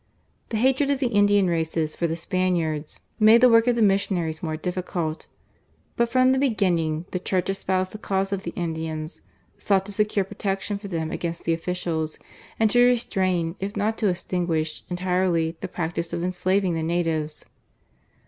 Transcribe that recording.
The hatred of the Indian races for the Spaniards made the work of the missionaries more difficult, but from the beginning the Church espoused the cause of the Indians, sought to secure protection for them against the officials, and to restrain if not to extinguish entirely the practice of enslaving the natives.